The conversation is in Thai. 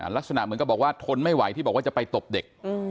ลักษณะเหมือนกับบอกว่าทนไม่ไหวที่บอกว่าจะไปตบเด็ก